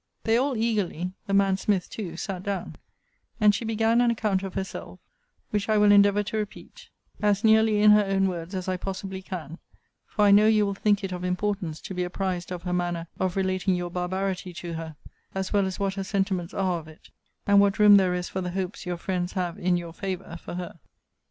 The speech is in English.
They all eagerly, the man Smith too, sat down; and she began an account of herself, which I will endeavour to repeat, as nearly in her own words as I possibly can: for I know you will think it of importance to be apprized of her manner of relating your barbarity to her, as well as what her sentiments are of it; and what room there is for the hopes your friends have in your favour for her.